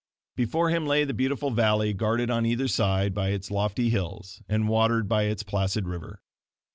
Before him lay the beautiful valley guarded on either side by its lofty hills, and watered by its placid river.